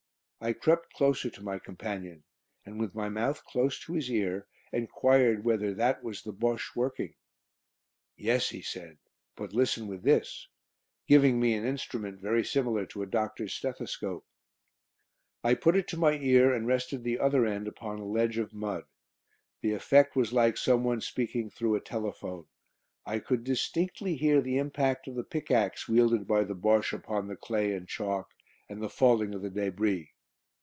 I crept closer to my companion, and with my mouth close to his ear enquired whether that was the Bosche working. "Yes," he said, "but listen with this," giving me an instrument very similar to a doctor's stethoscope. I put it to my ear and rested the other end upon a ledge of mud. The effect was like some one speaking through a telephone. I could distinctly hear the impact of the pickaxe wielded by the Bosche upon the clay and chalk, and the falling of the débris.